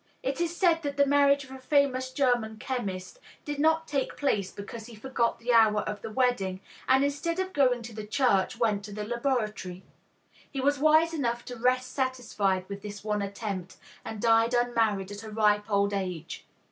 It is said that the marriage of a famous German chemist did not take place because he forgot the hour of the wedding, and instead of going to the church went to the laboratory. He was wise enough to rest satisfied with this one attempt, and died unmarried at a ripe old age.